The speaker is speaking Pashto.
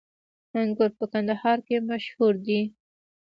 انګور په کندهار کې مشهور دي